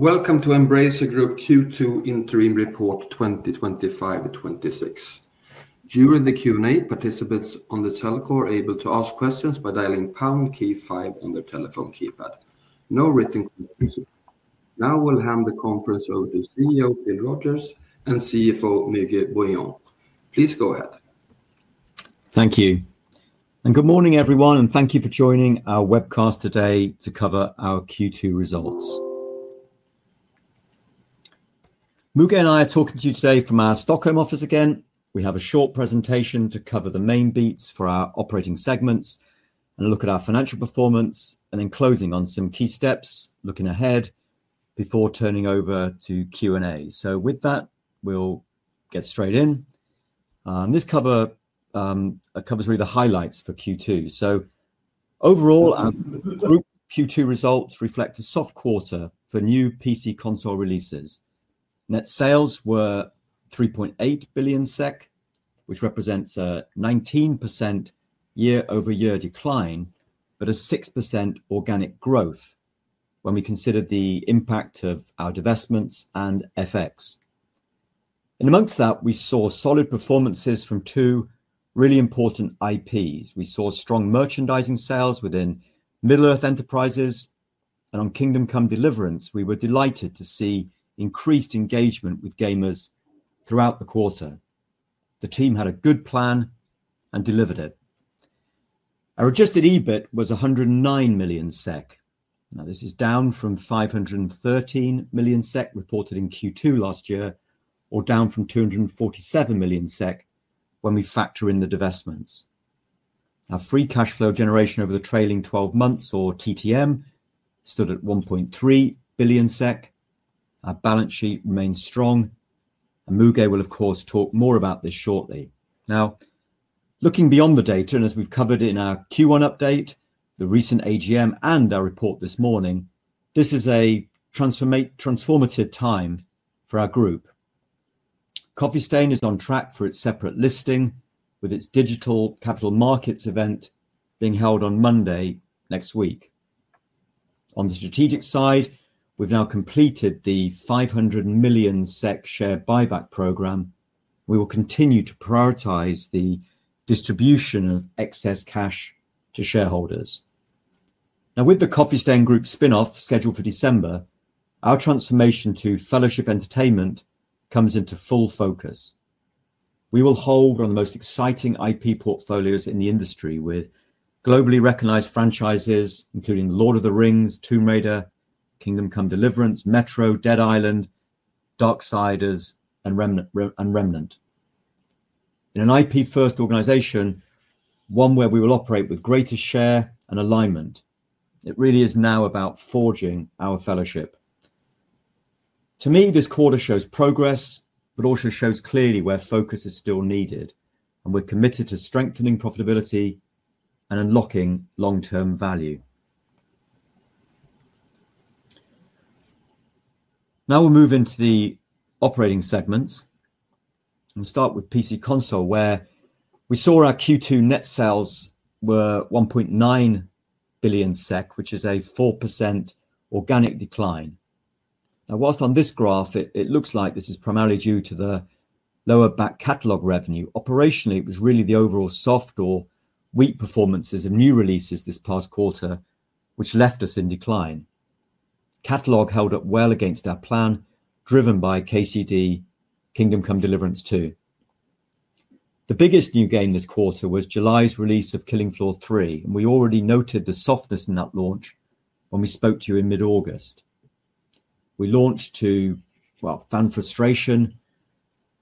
Welcome to Embracer Group Q2 Interim Report 2025-2026. During the Q&A, participants on the telco are able to ask questions by dialing pound key five on their telephone keypad. No written conference. Now we will hand the conference over to CEO Phil Rogers and CFO Müge Bouillon. Please go ahead. Thank you. Good morning, everyone, and thank you for joining our webcast today to cover our Q2 results. Müge and I are talking to you today from our Stockholm office again. We have a short presentation to cover the main beats for our Operating Segments and look at our financial performance, and then closing on some key steps, looking ahead before turning over to Q&A. With that, we'll get straight in. This cover covers really the highlights for Q2. Overall, our Q2 results reflect a soft quarter for new PC/Console releases. Net sales were 3.8 billion SEK, which represents a 19% year-over-year decline but a 6% organic growth when we consider the impact of our divestments and FX. Amongst that, we saw solid performances from two really important IPs. We saw strong merchandising sales within Middle-earth Enterprises. On Kingdom Come: Deliverance, we were delighted to see increased engagement with gamers throughout the quarter. The team had a good plan and delivered it. Our adjusted EBIT was 109 million SEK. This is down from 513 million SEK reported in Q2 last year, or down from 247 million SEK when we factor in the divestments. Our free cash flow generation over the trailing twelve months, or TTM, stood at 1.3 billion SEK. Our balance sheet remains strong. Müge will, of course, talk more about this shortly. Looking beyond the data, and as we have covered in our Q1 update, the recent AGM, and our report this morning, this is a transformative time for our group. Coffee Stain is on track for its separate listing, with its digital capital markets event being held on Monday next week. On the strategic side, we've now completed the 500 million SEK share buyback program. We will continue to prioritize the distribution of excess cash to shareholders. Now, with the Coffee Stain Group spinoff scheduled for December, our transformation to fellowship entertainment comes into full focus. We will hold on the most exciting IP portfolios in the industry with globally recognized franchises, including Lord of the Rings, Tomb Raider, Kingdom Come: Deliverance, Metro, Dead Island, Darksiders, and Remnant. In an IP-first organization, one where we will operate with greatest share and alignment, it really is now about forging our fellowship. To me, this quarter shows progress, but also shows clearly where focus is still needed. We are committed to strengthening profitability and unlocking long-term value. Now we'll move into the Operating Segments. We'll start with PC/Console, where we saw our Q2 net sales were 1.9 billion SEK, which is a 4% organic decline. Now, whilst on this graph, it looks like this is primarily due to the lower back catalog revenue, operationally, it was really the overall soft or weak performances of new releases this past quarter, which left us in decline. Catalog held up well against our plan, driven by Kingdom Come: Deliverance II. The biggest new game this quarter was July's release of Killing Floor 3. We already noted the softness in that launch when we spoke to you in mid-August. We launched to, well, fan frustration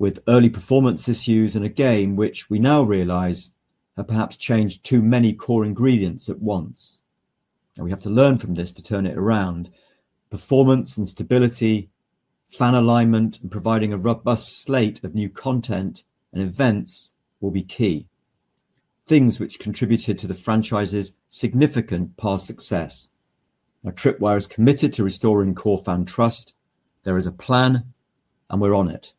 with early performance issues and a game which we now realize have perhaps changed too many core ingredients at once. We have to learn from this to turn it around. Performance and stability, fan alignment, and providing a robust slate of new content and events will be key, things which contributed to the franchise's significant past success. Now, Tripwire is committed to restoring core fan trust. There is a plan, and we're on it.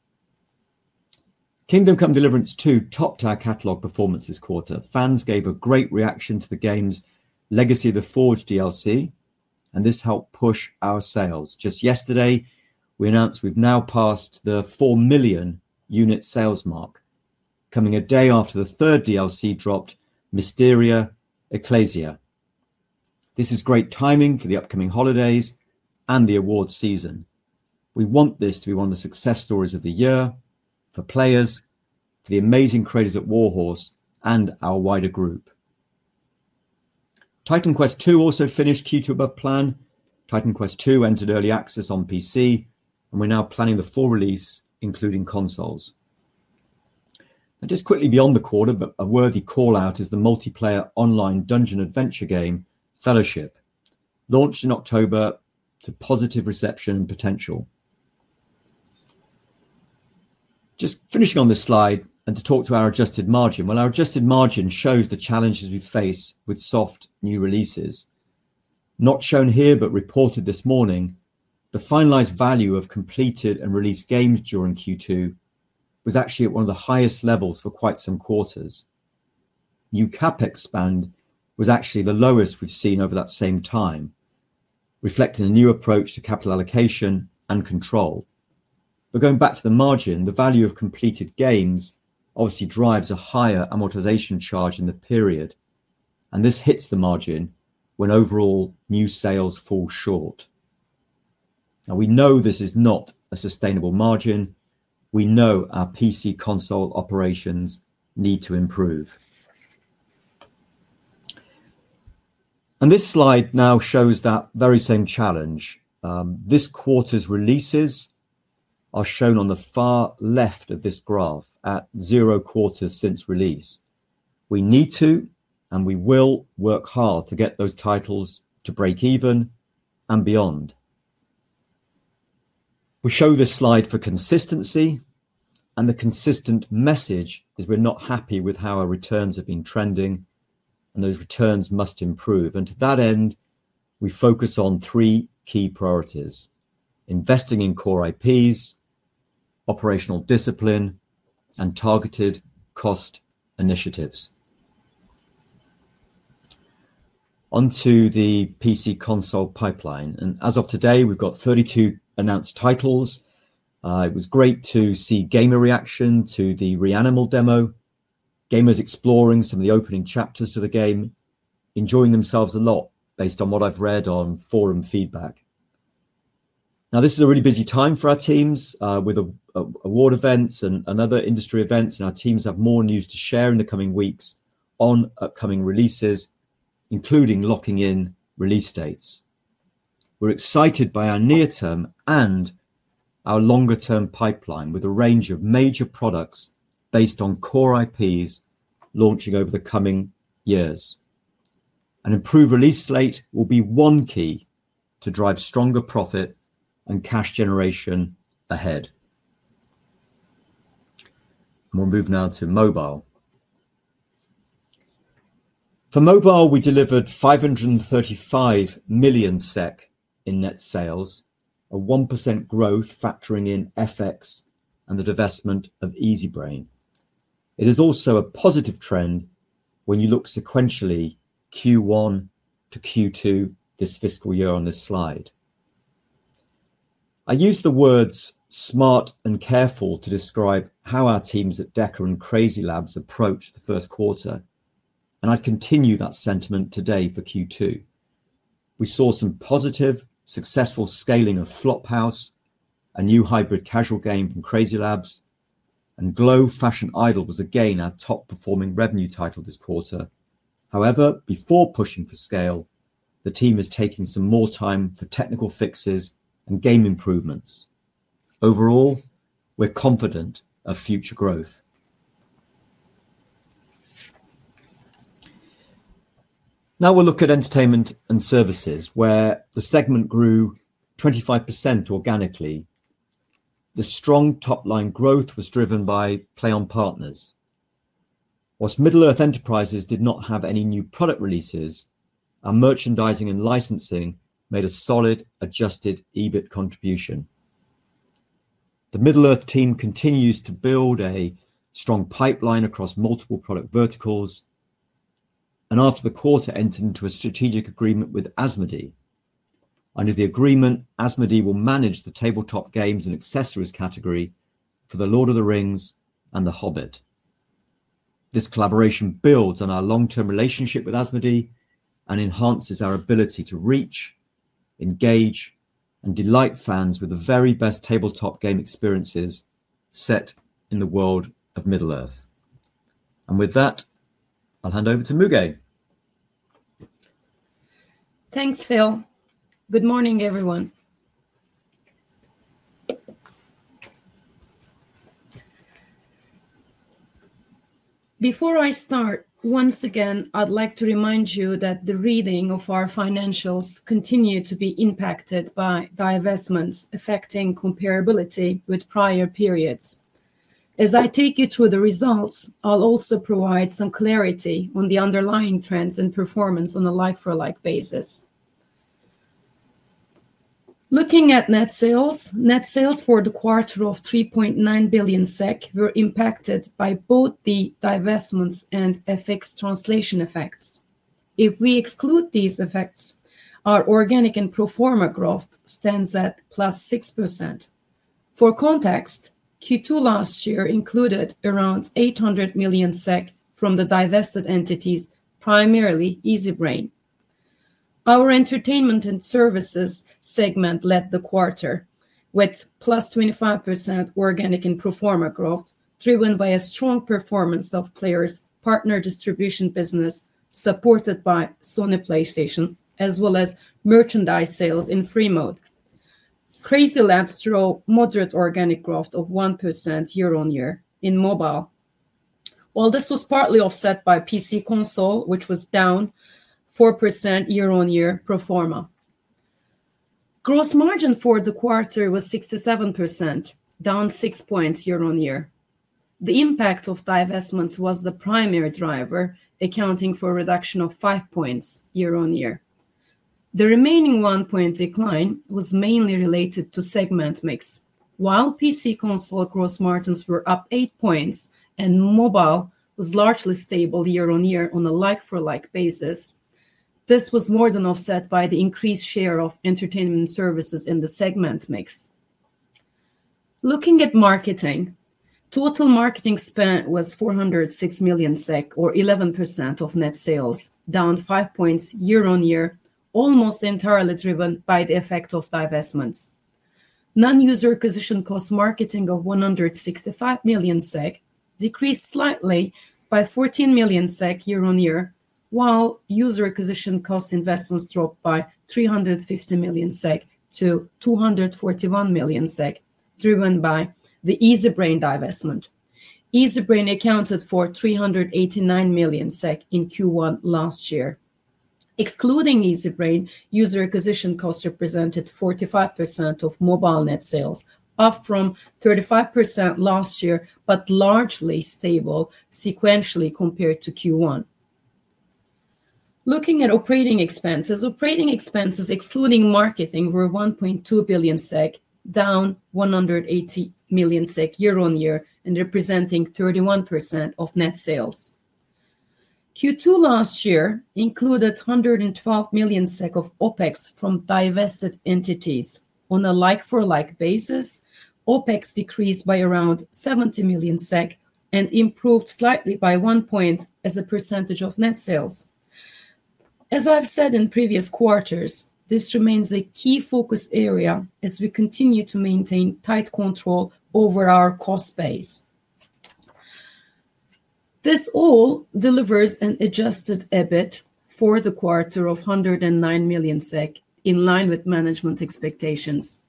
Kingdom Come: Deliverance II topped our catalog performance this quarter. Fans gave a great reaction to the game's Legacy of the Forge DLC, and this helped push our sales. Just yesterday, we announced we've now passed the 4 million unit sales mark, coming a day after the third DLC dropped, Mysteria Ecclesiae. This is great timing for the upcoming holidays and the awards season. We want this to be one of the success stories of the year for players, for the amazing creators at Warhorse and our wider group. Titan Quest II also finished Q2 above plan. Titan Quest II entered early access on PC, and we're now planning the full release, including consoles. Just quickly beyond the quarter, but a worthy callout is the multiplayer online dungeon adventure game, Fellowship, launched in October to positive reception and potential. Just finishing on this slide and to talk to our adjusted margin. Our adjusted margin shows the challenges we face with soft new releases. Not shown here, but reported this morning, the finalized value of completed and released games during Q2 was actually at one of the highest levels for quite some quarters. New CapEx spend was actually the lowest we've seen over that same time, reflecting a new approach to capital allocation and control. Going back to the margin, the value of completed games obviously drives a higher amortization charge in the period. This hits the margin when overall new sales fall short. Now, we know this is not a sustainable margin. We know our PC/Console operations need to improve. This slide now shows that very same challenge. This quarter's releases are shown on the far left of this graph at zero quarters since release. We need to, and we will work hard to get those titles to break even and beyond. We show this slide for consistency. The consistent message is we're not happy with how our returns have been trending, and those returns must improve. To that end, we focus on three key priorities: investing in core IPs, operational discipline, and targeted cost initiatives. Onto the PC/Console pipeline. As of today, we've got 32 announced titles. It was great to see gamer reaction to the REANIMAL demo, gamers exploring some of the opening chapters to the game, enjoying themselves a lot based on what I've read on forum feedback. This is a really busy time for our teams with award events and other industry events. Our teams have more news to share in the coming weeks on upcoming releases, including locking in release dates. We're excited by our near-term and our longer-term pipeline with a range of major products based on core IPs launching over the coming years. An improved release slate will be one key to drive stronger profit and cash generation ahead. We'll move now to Mobile. For mobile, we delivered 535 million SEK in net sales, a 1% growth factoring in FX and the divestment of Easybrain. It is also a positive trend when you look sequentially Q1 to Q2 this fiscal year on this slide. I use the words smart and careful to describe how our teams at DECA and CrazyLabs approached the first quarter. I'd continue that sentiment today for Q2. We saw some positive, successful scaling of Flop House, a new hybrid casual game from CrazyLabs. Glow Fashion Idol was again our top-performing revenue title this quarter. However, before pushing for scale, the team is taking some more time for technical fixes and game improvements. Overall, we're confident of future growth. Now we'll look at Entertainment & Services, where the segment grew 25% organically. The strong top-line growth was driven by PLAION partners. Whilst Middle-earth Enterprises did not have any new product releases, our merchandising and licensing made a solid adjusted EBIT contribution. The Middle-earth team continues to build a strong pipeline across multiple product verticals. After the quarter, entered into a strategic agreement with Asmodee. Under the agreement, Asmodee will manage the tabletop games and accessories category for The Lord of the Rings and The Hobbit. This collaboration builds on our long-term relationship with Asmodee and enhances our ability to reach, engage, and delight fans with the very best tabletop game experiences set in the world of Middle-earth. With that, I'll hand over to Müge. Thanks, Phil. Good morning, everyone. Before I start, once again, I'd like to remind you that the reading of our financials continues to be impacted by divestments affecting comparability with prior periods. As I take you through the results, I'll also provide some clarity on the underlying trends and performance on a like-for-like basis. Looking at net sales, net sales for the quarter of 3.9 billion SEK were impacted by both the divestments and FX translation effects. If we exclude these effects, our organic and proforma growth stands at +6%. For context, Q2 last year included around 800 million SEK from the divested entities, primarily Easybrain. Our entertainment and services segment led the quarter with +25% organic and proforma growth, driven by a strong performance of players' partner distribution business supported by Sony PlayStation, as well as merchandise sales in free mode. CrazyLabs drove moderate organic growth of 1% year-on-year in mobile. While this was partly offset by PC/Console, which was down 4% year-on-year pro forma. Gross margin for the quarter was 67%, down 6 points year-on-year. The impact of divestments was the primary driver, accounting for a reduction of 5 points year-on-year. The remaining 1 point decline was mainly related to segment mix. While PC/Console gross margins were up 8 points and Mobile was largely stable year-on-year on a like-for-like basis, this was more than offset by the increased share of Entertainment & Services in the segment mix. Looking at marketing, total marketing spent was 406 million SEK, or 11% of net sales, down 5 points year-on-year, almost entirely driven by the effect of divestments. Non-user acquisition cost marketing of 165 million SEK decreased slightly by 14 million SEK year-on-year, while user acquisition cost investments dropped by 350 million SEK to 241 million SEK, driven by the Easybrain divestment. Easybrain accounted for 389 million SEK in Q1 last year. Excluding Easybrain, user acquisition costs represented 45% of Mobile net sales, up from 35% last year, but largely stable sequentially compared to Q1. Looking at operating expenses, operating expenses excluding marketing were 1.2 billion SEK, down 180 million SEK year-on-year, and representing 31% of net sales. Q2 last year included 112 million SEK of OpEx from divested entities. On a like-for-like basis, OpEx decreased by around 70 million SEK and improved slightly by 1 point as a percentage of net sales. As I've said in previous quarters, this remains a key focus area as we continue to maintain tight control over our cost base. This all delivers an adjusted EBIT for the quarter of 109 million SEK, in line with management expectations.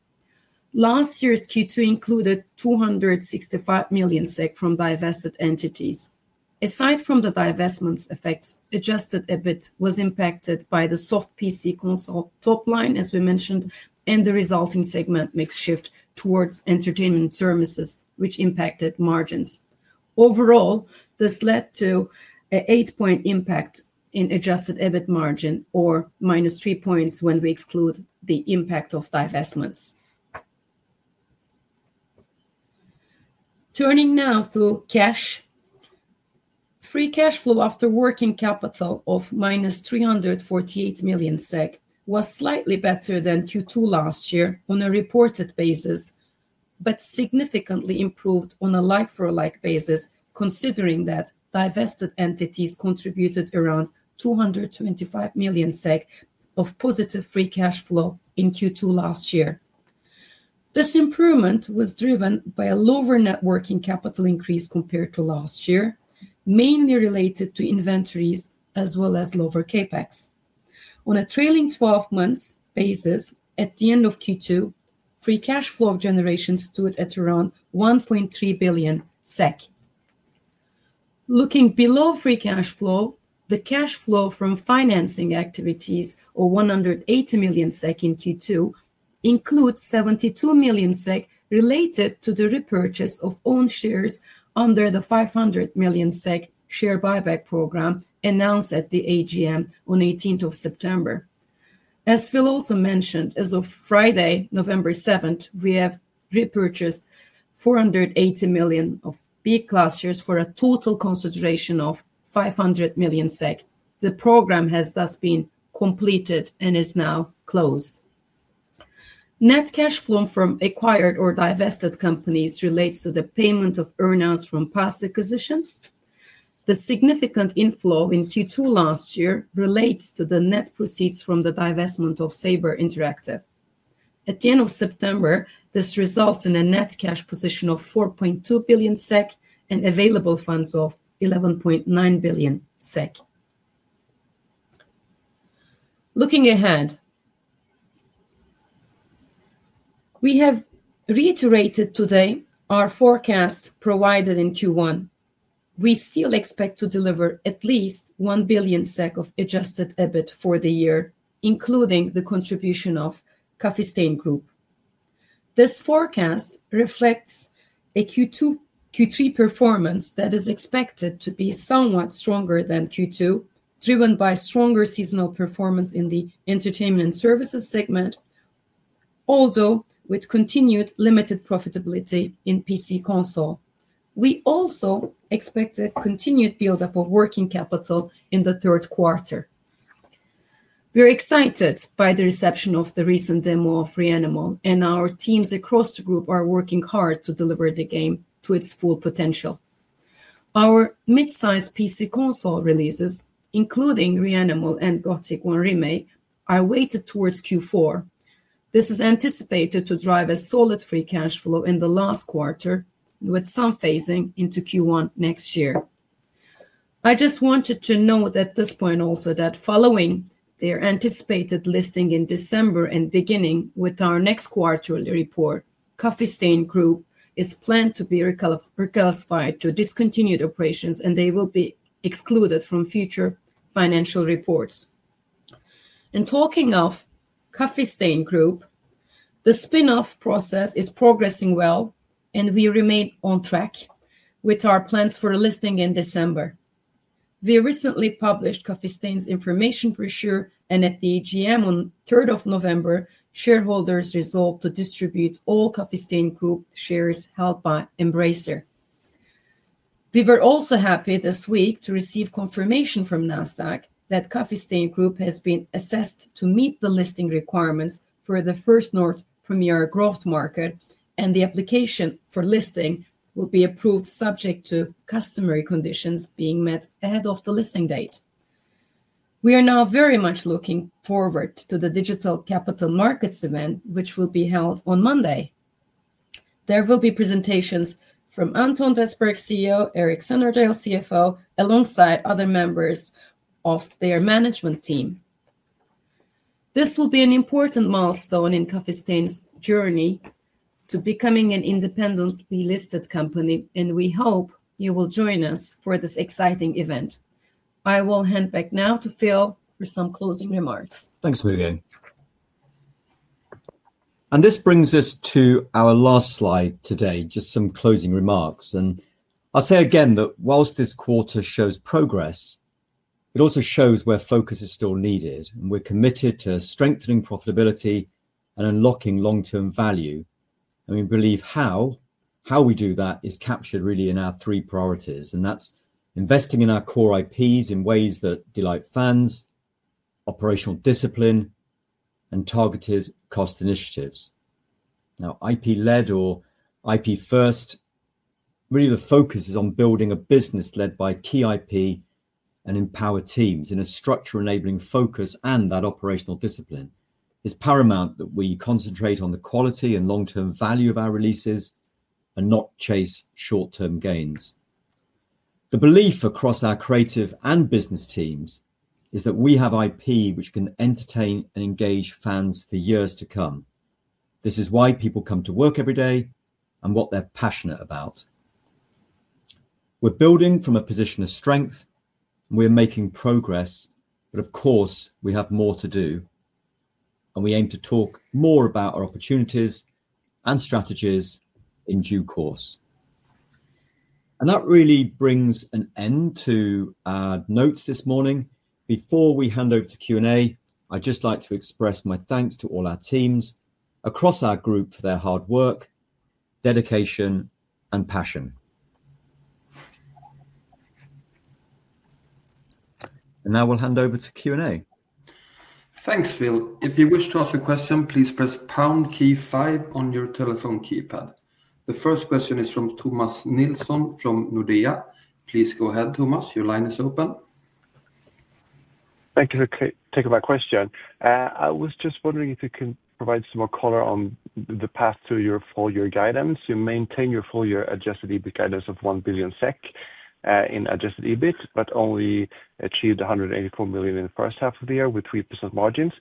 Last year's Q2 included 265 million SEK from divested entities. Aside from the divestments effects, adjusted EBIT was impacted by the soft PC/Console top line, as we mentioned, and the resulting segment mix shift towards Entertainment & Services, which impacted margins. Overall, this led to an 8 point impact in adjusted EBIT margin, or minus 3 points when we exclude the impact of divestments. Turning now to cash. Free cash flow after working capital of -348 million SEK was slightly better than Q2 last year on a reported basis, but significantly improved on a like-for-like basis, considering that divested entities contributed around 225 million SEK of positive free cash flow in Q2 last year. This improvement was driven by a lower net working capital increase compared to last year, mainly related to inventories as well as lower CapEx. On a trailing twelve-month basis, at the end of Q2, free cash flow generation stood at around 1.3 billion SEK. Looking below free cash flow, the cash flow from financing activities, or 180 million SEK in Q2, includes 72 million SEK related to the repurchase of own shares under the 500 million SEK share buyback program announced at the AGM on 18th of September. As Phil also mentioned, as of Friday, November 7th, we have repurchased 480 million of B-class shares for a total consideration of 500 million. The program has thus been completed and is now closed. Net cash flow from acquired or divested companies relates to the payment of earnings from past acquisitions. The significant inflow in Q2 last year relates to the net proceeds from the divestment of Saber Interactive. At the end of September, this results in a net cash position of 4.2 billion SEK and available funds of 11.9 billion SEK. Looking ahead, we have reiterated today our forecast provided in Q1. We still expect to deliver at least 1 billion SEK of adjusted EBIT for the year, including the contribution of Coffee Stain Group. This forecast reflects a Q2-Q3 performance that is expected to be somewhat stronger than Q2, driven by stronger seasonal performance in the Entertainment & Services segment, although with continued limited profitability in PC/Console. We also expect a continued build-up of working capital in the third quarter. We're excited by the reception of the recent demo of REANIMAL, and our teams across the group are working hard to deliver the game to its full potential. Our mid-sized PC/Console releases, including REANIMAL and Gothic 1 Remake, are weighted towards Q4. This is anticipated to drive a solid free cash flow in the last quarter, with some phasing into Q1 next year. I just wanted to note at this point also that following their anticipated listing in December and beginning with our next quarterly report, Coffee Stain Group is planned to be reclassified to discontinued operations, and they will be excluded from future financial reports. Talking of Coffee Stain Group, the spinoff process is progressing well, and we remain on track with our plans for listing in December. We recently published Coffee Stain's information brochure, and at the AGM on 3rd of November, shareholders resolved to distribute all Coffee Stain Group shares held by Embracer. We were also happy this week to receive confirmation from NASDAQ that Coffee Stain Group has been assessed to meet the listing requirements for the First North Premier Growth Market, and the application for listing will be approved subject to customary conditions being met ahead of the listing date. We are now very much looking forward to the Digital Capital Markets event, which will be held on Monday. There will be presentations from Anton Westbergh, CEO, Eric Sanderdale, CFO, alongside other members of their management team. This will be an important milestone in Coffee Stain's journey to becoming an independently listed company, and we hope you will join us for this exciting event. I will hand back now to Phil for some closing remarks. Thanks, Müge. This brings us to our last slide today, just some closing remarks. I'll say again that whilst this quarter shows progress, it also shows where focus is still needed. We're committed to strengthening profitability and unlocking long-term value. We believe how we do that is captured really in our three priorities, and that's investing in our core IPs in ways that delight fans, operational discipline, and targeted cost initiatives. Now, IP-led or IP-first, really the focus is on building a business led by key IP and empower teams in a structure-enabling focus and that operational discipline. It's paramount that we concentrate on the quality and long-term value of our releases and not chase short-term gains. The belief across our creative and business teams is that we have IP which can entertain and engage fans for years to come. This is why people come to work every day and what they're passionate about. We're building from a position of strength, and we're making progress. Of course, we have more to do, and we aim to talk more about our opportunities and strategies in due course. That really brings an end to our notes this morning. Before we hand over to Q&A, I'd just like to express my thanks to all our teams across our group for their hard work, dedication, and passion. Now we'll hand over to Q&A. Thanks, Phil. If you wish to ask a question, please press pound key five on your telephone keypad. The first question is from Thomas Nilsson from Nordea. Please go ahead, Thomas. Your line is open. Thank you for taking my question. I was just wondering if you can provide some more color on the path to your full-year guidance. You maintain your full-year adjusted EBIT guidance of 1 billion SEK in adjusted EBIT, but only achieved 184 million in the first half of the year with 3% margins.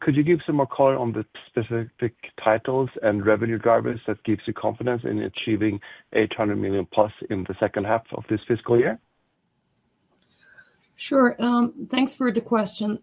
Could you give some more color on the specific titles and revenue drivers that give you confidence in achieving 800 million plus in the second half of this fiscal year? Sure. Thanks for the question.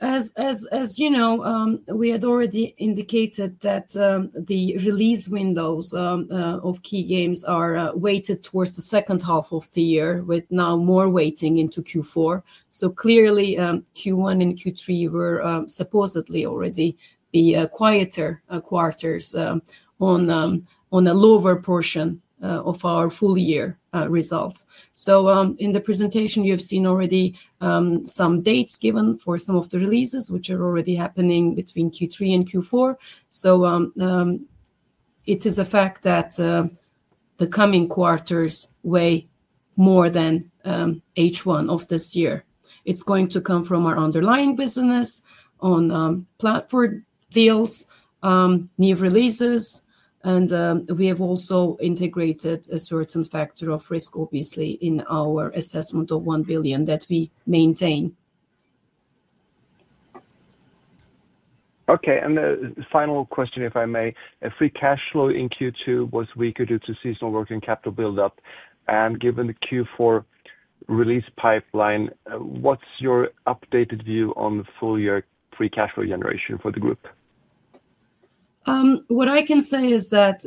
As you know, we had already indicated that the release windows of key games are weighted towards the second half of the year, with now more weighting into Q4. Q1 and Q3 were supposedly already the quieter quarters on a lower portion of our full-year result. In the presentation, you have seen already some dates given for some of the releases, which are already happening between Q3 and Q4. It is a fact that the coming quarters weigh more than H1 of this year. It's going to come from our underlying business on platform deals, new releases, and we have also integrated a certain factor of risk, obviously, in our assessment of 1 billion that we maintain. Okay. The final question, if I may, if free cash flow in Q2 was weaker due to seasonal working capital build-up, and given the Q4 release pipeline, what's your updated view on the full-year free cash flow generation for the group? What I can say is that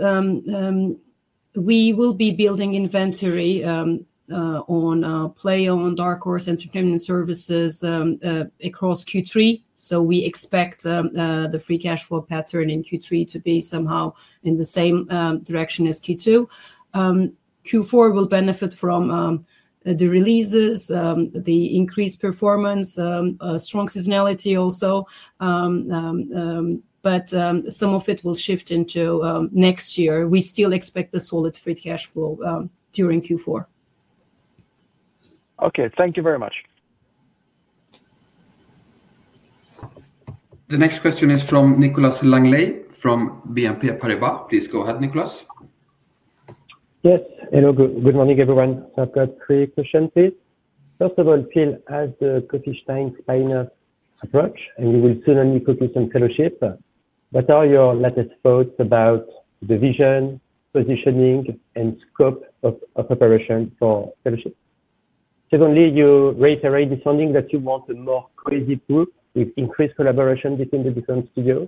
we will be building inventory on PLAION, Dark Horse, entertainment services across Q3. We expect the free cash flow pattern in Q3 to be somehow in the same direction as Q2. Q4 will benefit from the releases, the increased performance, strong seasonality also, but some of it will shift into next year. We still expect the solid free cash flow during Q4. Okay. Thank you very much. The next question is from Nicolas Langlet from BNP Paribas. Please go ahead, Nicholas. Yes. Hello. Good morning, everyone. I've got three questions, please. First of all, Phil, as the Coffee Stain spinoff approaches, and we will soon only focus on Fellowship, what are your latest thoughts about the vision, positioning, and scope of operation for Fellowship? Secondly, you reiterate this finding that you want a more cohesive group with increased collaboration between the different studios.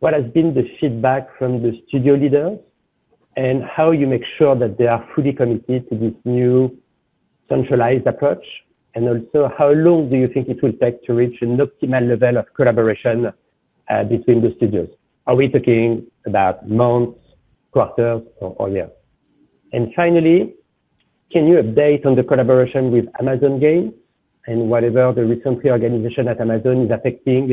What has been the feedback from the studio leaders, and how do you make sure that they are fully committed to this new centralized approach? Also, how long do you think it will take to reach an optimal level of collaboration between the studios? Are we talking about months, quarters, or years? Finally, can you update on the collaboration with Amazon Games and whether the recent reorganization at Amazon is affecting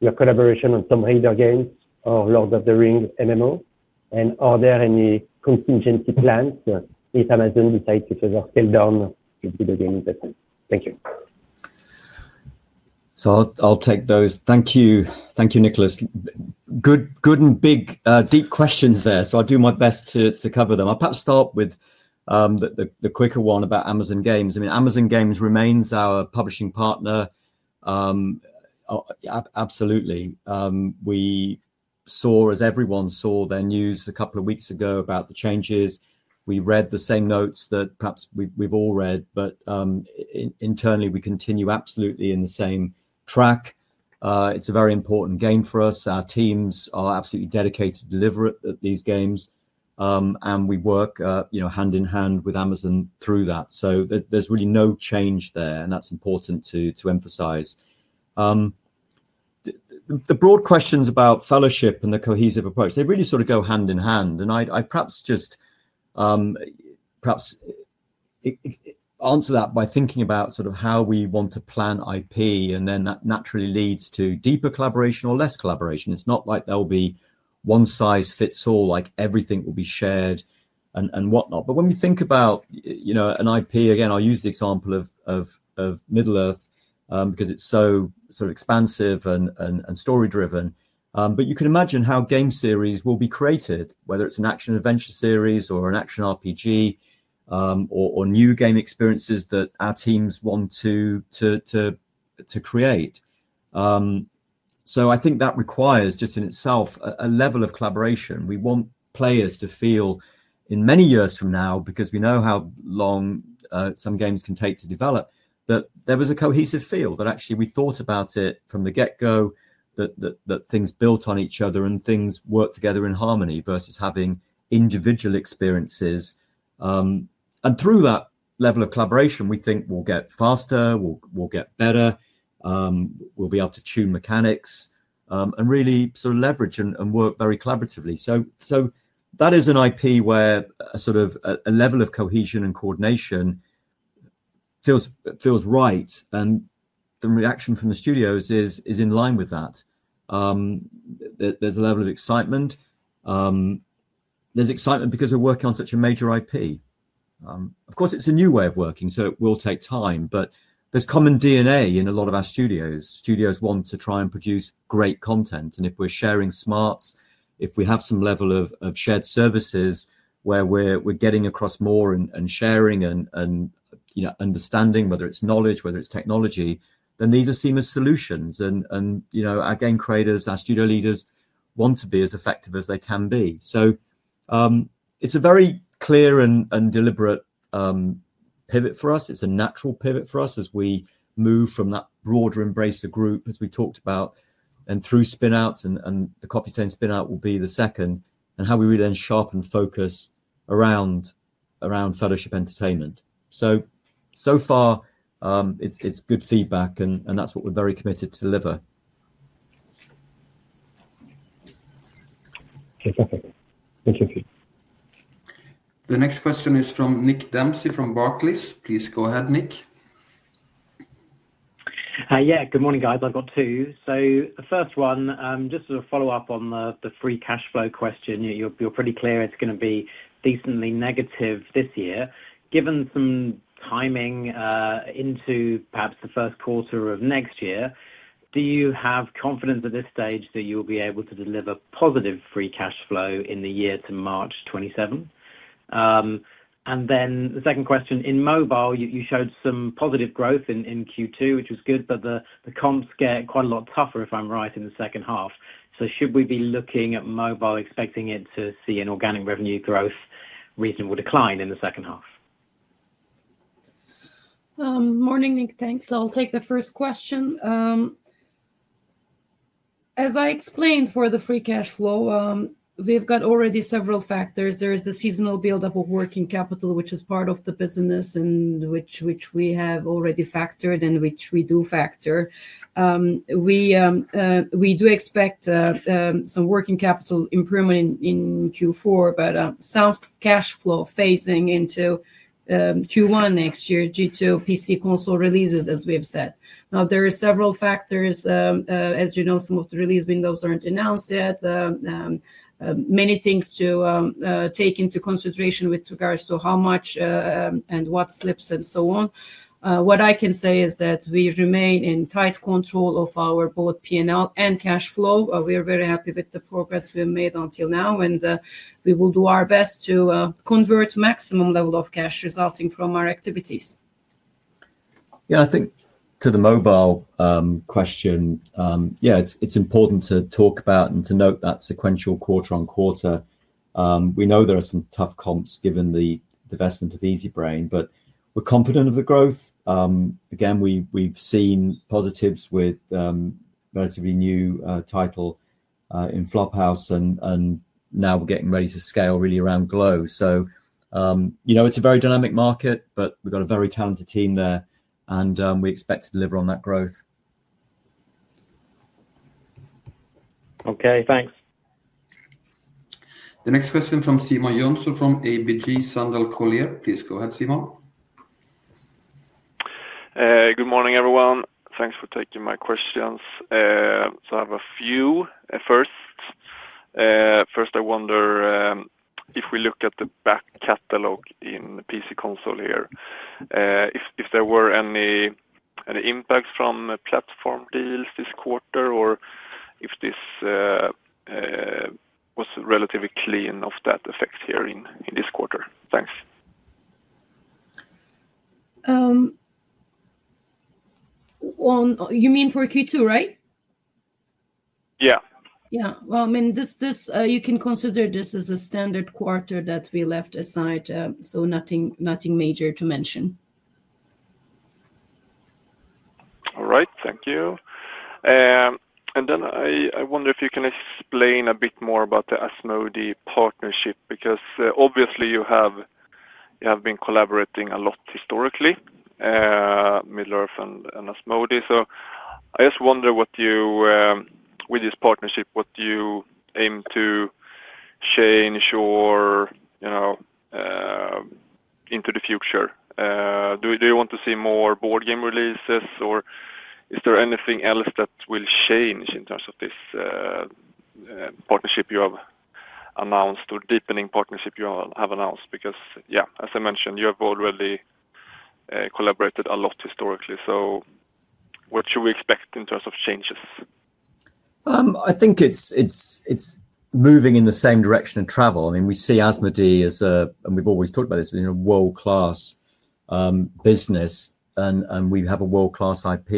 your collaboration on Tomb Raider games or Lord of the Rings MMO? Are there any contingency plans if Amazon decides to further scale down into the game industry? Thank you. I'll take those. Thank you. Thank you, Nicolas. Good and big, deep questions there, so I'll do my best to cover them. I'll perhaps start with the quicker one about Amazon Games. I mean, Amazon Games remains our publishing partner. Absolutely. We saw, as everyone saw, their news a couple of weeks ago about the changes. We read the same notes that perhaps we've all read, but internally, we continue absolutely in the same track. It's a very important game for us. Our teams are absolutely dedicated to delivering these games, and we work hand in hand with Amazon through that. There's really no change there, and that's important to emphasize. The broad questions about Fellowship and the cohesive approach, they really sort of go hand in hand. I perhaps just answer that by thinking about sort of how we want to plan IP, and then that naturally leads to deeper collaboration or less collaboration. It's not like there'll be one size fits all, like everything will be shared and whatnot. When we think about an IP, again, I'll use the example of Middle-earth because it's so sort of expansive and story-driven, but you can imagine how game series will be created, whether it's an action-adventure series or an action RPG or new game experiences that our teams want to create. I think that requires just in itself a level of collaboration. We want players to feel in many years from now, because we know how long some games can take to develop, that there was a cohesive feel, that actually we thought about it from the get-go, that things built on each other and things worked together in harmony versus having individual experiences. Through that level of collaboration, we think we'll get faster, we'll get better, we'll be able to tune mechanics, and really sort of leverage and work very collaboratively. That is an IP where a sort of a level of cohesion and coordination feels right, and the reaction from the studios is in line with that. There's a level of excitement. There's excitement because we're working on such a major IP. Of course, it's a new way of working, so it will take time, but there's common DNA in a lot of our studios. Studios want to try and produce great content, and if we're sharing smarts, if we have some level of shared services where we're getting across more and sharing and understanding, whether it's knowledge, whether it's technology, then these are seamless solutions. Our game creators, our studio leaders want to be as effective as they can be. It is a very clear and deliberate pivot for us. It is a natural pivot for us as we move from that broader Embracer Group, as we talked about, and through spinouts, and the Coffee Stain spinout will be the second, and how we really then sharpen focus around Fellowship entertainment. So far, it's good feedback, and that's what we're very committed to deliver. Fantastic. Thank you, Phil. The next question is from Nick Dempsey from Barclays. Please go ahead, Nick. Yeah. Good morning, guys. I've got two. The first one, just to follow up on the free cash flow question, you're pretty clear it's going to be decently negative this year. Given some timing into perhaps the first quarter of next year, do you have confidence at this stage that you'll be able to deliver positive free cash flow in the year to March 2027? The second question, in Mobile, you showed some positive growth in Q2, which was good, but the comps get quite a lot tougher, if I'm right, in the second half. Should we be looking at Mobile expecting it to see an organic revenue growth, reasonable decline in the second half? Morning, Nick. Thanks. I'll take the first question. As I explained for the free cash flow, we've got already several factors. There is the seasonal build-up of working capital, which is part of the business and which we have already factored and which we do factor. We do expect some working capital improvement in Q4, but some cash flow phasing into Q1 next year, G2, PC/Console releases, as we've said. Now, there are several factors. As you know, some of the release windows aren't announced yet. Many things to take into consideration with regards to how much and what slips and so on. What I can say is that we remain in tight control of our both P&L and cash flow. We're very happy with the progress we've made until now, and we will do our best to convert maximum level of cash resulting from our activities. Yeah. I think to the Mobile question, yeah, it's important to talk about and to note that sequential quarter on quarter. We know there are some tough comps given the investment of Easybrain, but we're confident of the growth. Again, we've seen positives with a relatively new title in Flop House, and now we're getting ready to scale really around Glow. It is a very dynamic market, but we've got a very talented team there, and we expect to deliver on that growth. Okay. Thanks. The next question is from Simon Jönsson from ABG Sundal Collier. Please go ahead, Simon. Good morning, everyone. Thanks for taking my questions. I have a few. First, I wonder if we look at the back catalog in PC/Console here, if there were any impacts from platform deals this quarter, or if this was relatively clean of that effect here in this quarter. Thanks. You mean for Q2, right? Yeah. Yeah. I mean, you can consider this as a standard quarter that we left aside, so nothing major to mention. All right. Thank you. I wonder if you can explain a bit more about the Asmodee partnership because obviously you have been collaborating a lot historically, Middle-earth and Asmodee. I just wonder with this partnership, what do you aim to change into the future? Do you want to see more board game releases, or is there anything else that will change in terms of this partnership you have announced or deepening partnership you have announced? Because, yeah, as I mentioned, you have already collaborated a lot historically. What should we expect in terms of changes? I think it's moving in the same direction of travel. I mean, we see Asmodee as a—and we've always talked about this—a world-class business, and we have a world-class IP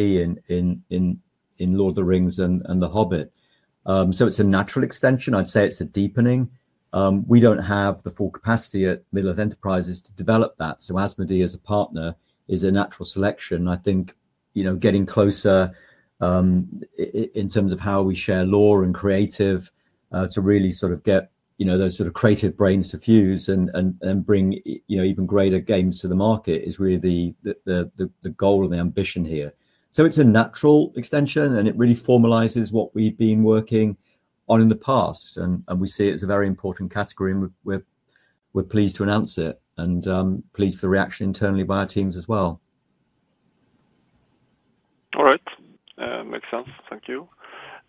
in Lord of the Rings and The Hobbit. It is a natural extension. I'd say it's a deepening. We don't have the full capacity at Middle-earth Enterprises to develop that. Asmodee as a partner is a natural selection. I think getting closer in terms of how we share lore and creative to really sort of get those sort of creative brains to fuse and bring even greater games to the market is really the goal and the ambition here. It is a natural extension, and it really formalizes what we've been working on in the past, and we see it as a very important category, and we're pleased to announce it and pleased for the reaction internally by our teams as well. All right. Makes sense. Thank you.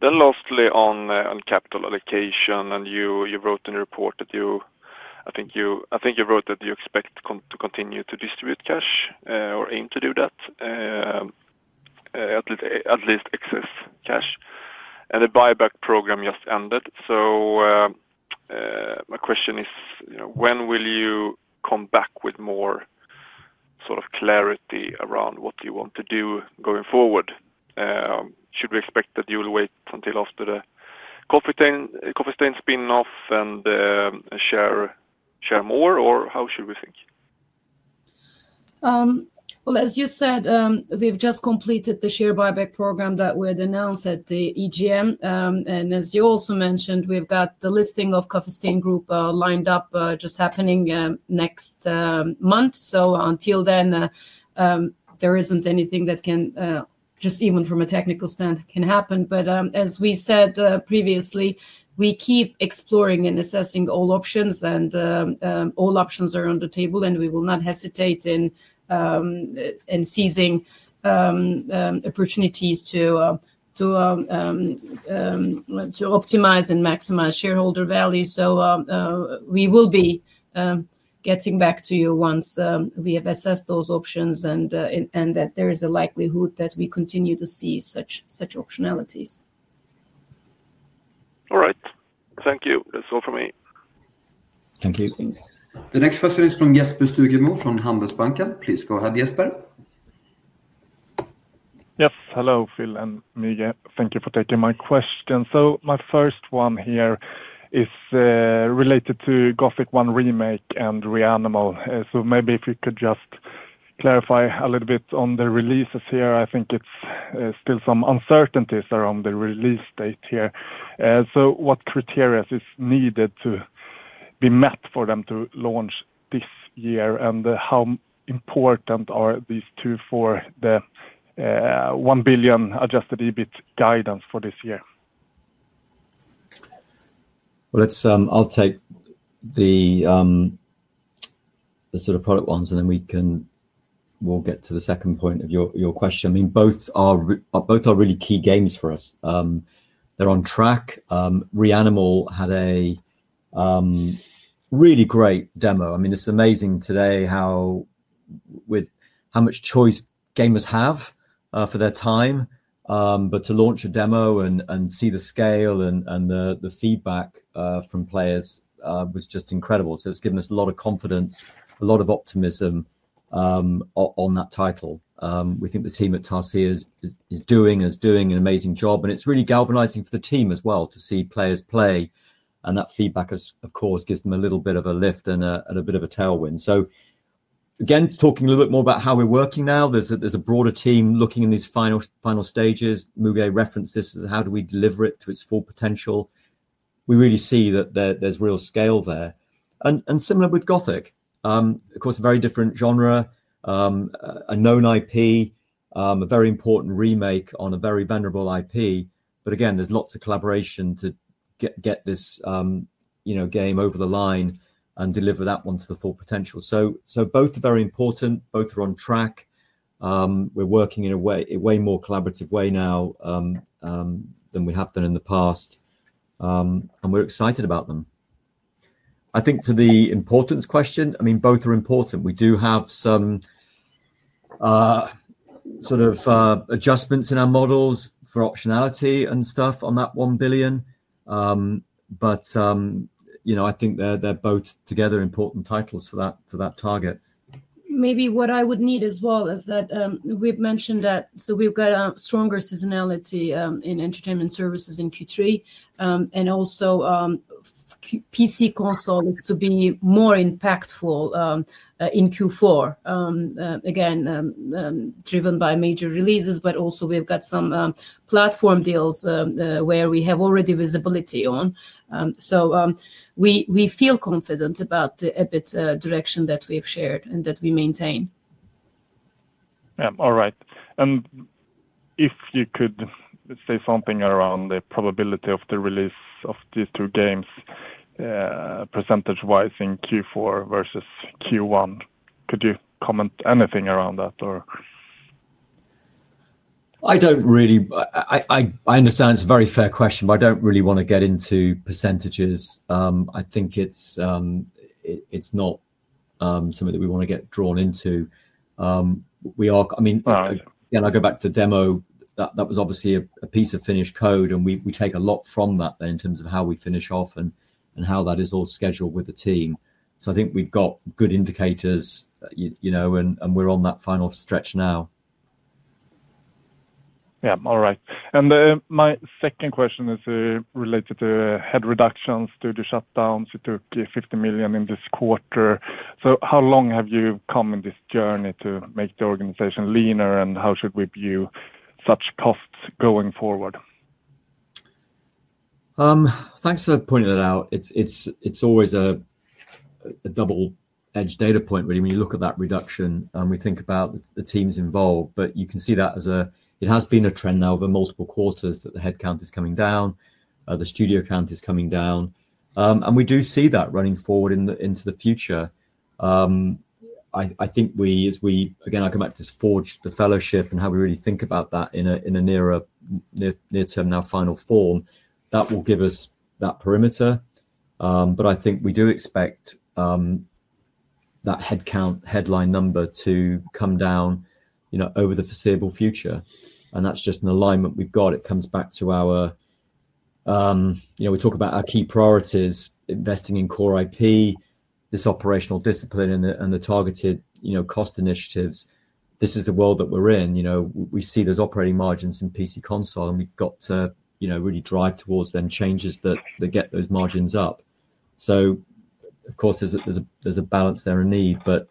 Lastly, on capital allocation, you wrote in the report that you—I think you wrote that you expect to continue to distribute cash or aim to do that, at least excess cash. The buyback program just ended. My question is, when will you come back with more sort of clarity around what you want to do going forward? Should we expect that you will wait until after the Coffee Stain spinoff and share more, or how should we think? As you said, we've just completed the share buyback program that we had announced at the EGM. As you also mentioned, we've got the listing of Coffee Stain Group lined up just happening next month. Until then, there isn't anything that can, just even from a technical stand, can happen. As we said previously, we keep exploring and assessing all options, and all options are on the table, and we will not hesitate in seizing opportunities to optimize and maximize shareholder value. We will be getting back to you once we have assessed those options and that there is a likelihood that we continue to see such optionalities. All right. Thank you. That's all from me. Thank you. The next question is from Jesper Stugemo from Handelsbanken. Please go ahead, Jesper. Yes. Hello, Phil and Müge. Thank you for taking my question. My first one here is related to Gothic 1 Remake and REANIMAL. Maybe if you could just clarify a little bit on the releases here. I think it's still some uncertainties around the release date here. What criteria is needed to be met for them to launch this year, and how important are these two for the 1 billion adjusted EBIT guidance for this year? I'll take the sort of product ones, and then we'll get to the second point of your question. I mean, both are really key games for us. They're on track. REANIMAL had a really great demo. I mean, it's amazing today how much choice gamers have for their time, but to launch a demo and see the scale and the feedback from players was just incredible. It's given us a lot of confidence, a lot of optimism on that title. We think the team at Tarsier is doing an amazing job, and it's really galvanizing for the team as well to see players play. That feedback, of course, gives them a little bit of a lift and a bit of a tailwind. Again, talking a little bit more about how we're working now, there's a broader team looking in these final stages. Müge referenced this as how do we deliver it to its full potential. We really see that there's real scale there. Similar with Gothic, of course, a very different genre, a known IP, a very important remake on a very venerable IP. Again, there's lots of collaboration to get this game over the line and deliver that one to the full potential. Both are very important. Both are on track. We're working in a way more collaborative way now than we have done in the past, and we're excited about them. I think to the importance question, I mean, both are important. We do have some sort of adjustments in our models for optionality and stuff on that 1 billion, but I think they're both together important titles for that target. Maybe what I would need as well is that we've mentioned that, so we've got a stronger seasonality in Entertainment & Services in Q3, and also PC/Console is to be more impactful in Q4, again, driven by major releases, but also we've got some platform deals where we have already visibility on. We feel confident about the EBIT direction that we have shared and that we maintain. Yeah. All right. If you could say something around the probability of the release of these two games percentage-wise in Q4 versus Q1, could you comment anything around that? I understand it's a very fair question, but I don't really want to get into percentages. I think it's not something that we want to get drawn into. I mean, again, I'll go back to the demo. That was obviously a piece of finished code, and we take a lot from that then in terms of how we finish off and how that is all scheduled with the team. I think we've got good indicators, and we're on that final stretch now. Yeah. All right. My second question is related to head reductions due to shutdowns. You took 50 million in this quarter. How long have you come in this journey to make the organization leaner, and how should we view such costs going forward? Thanks for pointing that out. It's always a double-edged data point, really, when you look at that reduction and we think about the teams involved, but you can see that as a—it has been a trend now over multiple quarters that the head count is coming down, the studio count is coming down. We do see that running forward into the future. I think we, again, I'll come back to this Forge, the Fellowship, and how we really think about that in a near-term, now final form. That will give us that perimeter, but I think we do expect that head count, headline number to come down over the foreseeable future. That's just an alignment we've got. It comes back to our—we talk about our key priorities, investing in core IP, this operational discipline, and the targeted cost initiatives. This is the world that we're in. We see those operating margins in PC/Console, and we've got to really drive towards then changes that get those margins up. Of course, there's a balance there in need, but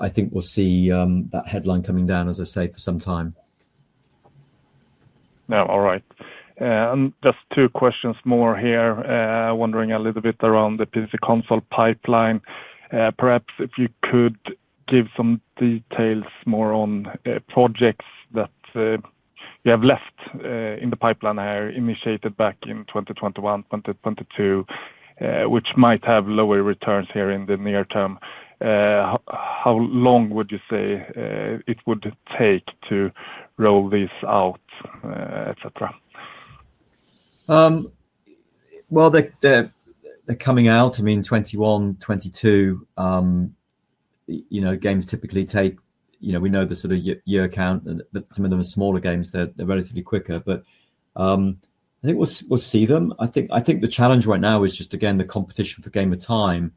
I think we'll see that headline coming down, as I say, for some time. Yeah. All right. Just two questions more here. Wondering a little bit around the PC/Console pipeline. Perhaps if you could give some details more on projects that you have left in the pipeline here, initiated back in 2021, 2022, which might have lower returns here in the near term. How long would you say it would take to roll these out, et cetera? They're coming out, I mean, 2021, 2022. Games typically take—we know the sort of year count, that some of them are smaller games, they're relatively quicker, but I think we'll see them. I think the challenge right now is just, again, the competition for game of time.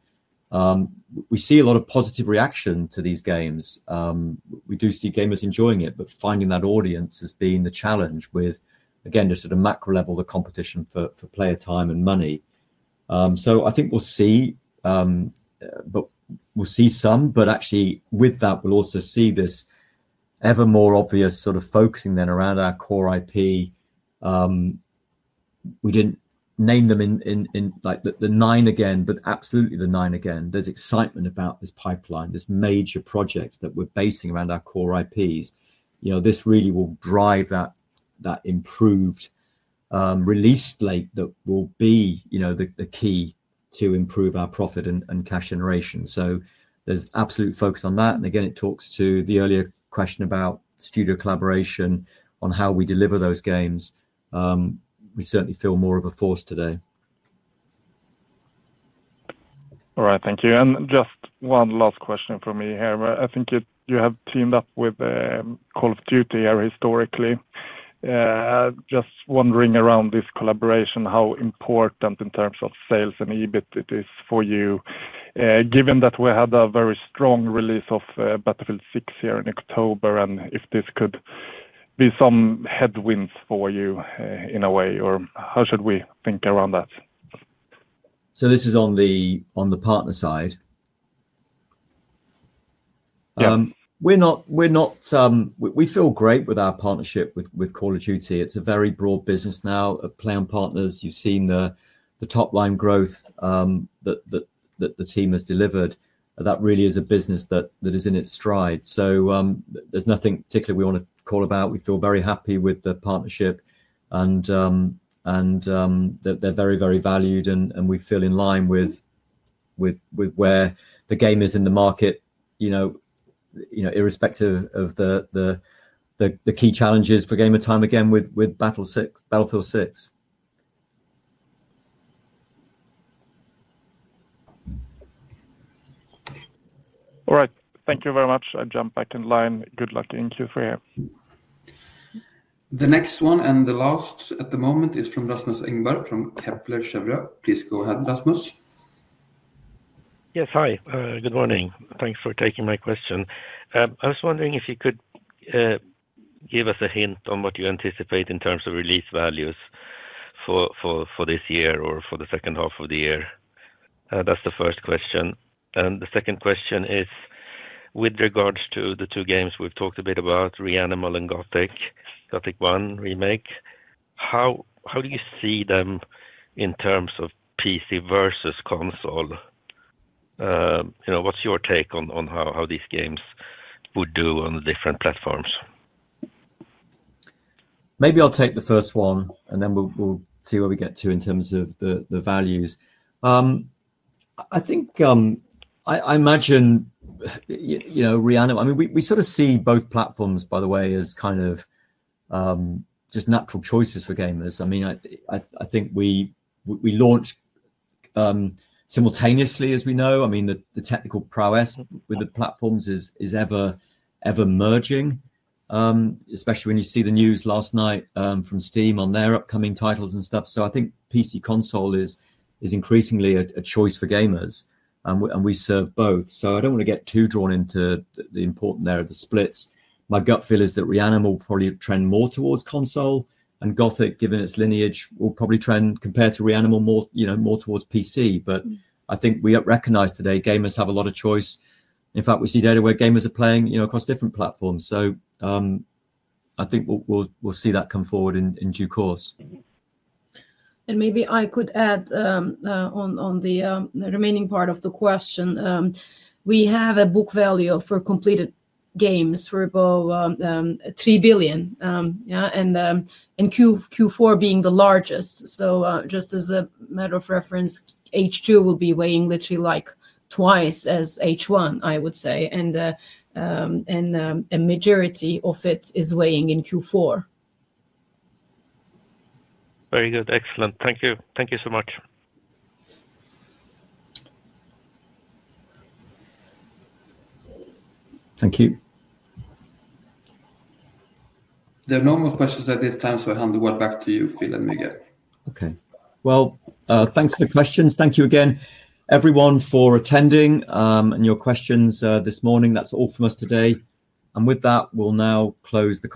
We see a lot of positive reaction to these games. We do see gamers enjoying it, but finding that audience has been the challenge with, again, just at a macro level, the competition for player time and money. I think we'll see, but we'll see some, but actually with that, we'll also see this ever more obvious sort of focusing then around our core IP. We didn't name them in the nine again, but absolutely the nine again. There's excitement about this pipeline, this major project that we're basing around our core IPs. This really will drive that improved release slate that will be the key to improve our profit and cash generation. There is absolute focus on that. Again, it talks to the earlier question about studio collaboration on how we deliver those games. We certainly feel more of a force today. All right. Thank you. Just one last question for me here. I think you have teamed up with Call of Duty here historically. Just wondering around this collaboration, how important in terms of sales and EBIT it is for you, given that we had a very strong release of Battlefield 6 here in October, and if this could be some headwinds for you in a way, or how should we think around that? This is on the partner side. We feel great with our partnership with Call of Duty. It's a very broad business now of playing partners. You've seen the top-line growth that the team has delivered. That really is a business that is in its stride. There's nothing particularly we want to call about. We feel very happy with the partnership, and they're very, very valued, and we feel in line with where the game is in the market, irrespective of the key challenges for game of time, again, with Battlefield 6. All right. Thank you very much. I'll jump back in line. Good luck. Thank you for your help. The next one and the last at the moment is from Rasmus Engberg from Kepler Cheuvreux. Please go ahead, Rasmus. Yes. Hi. Good morning. Thanks for taking my question. I was wondering if you could give us a hint on what you anticipate in terms of release values for this year or for the second half of the year. That's the first question. The second question is, with regards to the two games we've talked a bit about, REANIMAL and Gothic 1 Remake, how do you see them in terms of PC versus Console? What's your take on how these games would do on the different platforms? Maybe I'll take the first one, and then we'll see where we get to in terms of the values. I think I imagine REANIMAL, I mean, we sort of see both platforms, by the way, as kind of just natural choices for gamers. I mean, I think we launch simultaneously, as we know. I mean, the technical prowess with the platforms is ever-emerging, especially when you see the news last night from Steam on their upcoming titles and stuff. I think PC/Console is increasingly a choice for gamers, and we serve both. I don't want to get too drawn into the importance there of the splits. My gut feel is that REANIMAL will probably trend more towards Console, and Gothic, given its lineage, will probably trend, compared to REANIMAL, more towards PC. I think we recognize today gamers have a lot of choice. In fact, we see data where gamers are playing across different platforms. I think we'll see that come forward in due course. Maybe I could add on the remaining part of the question. We have a book value for completed games for about 3 billion, and Q4 being the largest. Just as a matter of reference, H2 will be weighing literally like twice as H1, I would say, and a majority of it is weighing in Q4. Very good. Excellent. Thank you. Thank you so much. Thank you. There are no more questions at this time, so I hand the word back to you, Phil and Müge. Okay. Thank you for the questions. Thank you again, everyone, for attending and your questions this morning. That is all from us today. With that, we will now close.